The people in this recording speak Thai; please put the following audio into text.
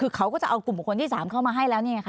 คือเขาก็จะเอากลุ่มบุคคลที่๓เข้ามาให้แล้วนี่ไงคะ